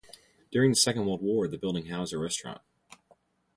During the Second World War the building housed a restaurant.